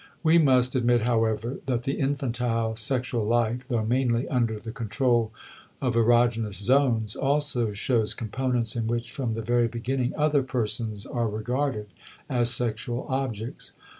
We must admit, however, that the infantile sexual life, though mainly under the control of erogenous zones, also shows components in which from the very beginning other persons are regarded as sexual objects.